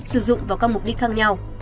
sử dụng vào các mục đích khác nhau